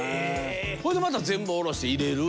それでまた全部下ろして入れる。